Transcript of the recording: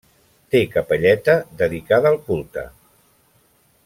Té capelleta dedicada al culte.